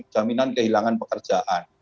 jaminan kehilangan pekerjaan